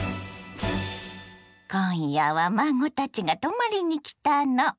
今夜は孫たちが泊まりに来たの。